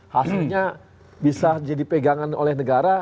hasilnya bisa jadi pegangan oleh negara